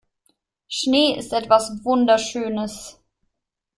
Schnee ist etwas Wunderschönes.